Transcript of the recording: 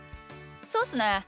そっすね。